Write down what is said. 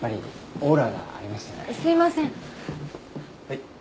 はい。